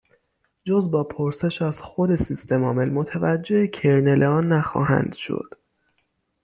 جز با پرسش از خود سیستمعامل، متوجّه کرنل آن نخواهند شد